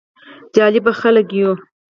جالب خلک يو: